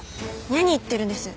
にゃに言ってるんです。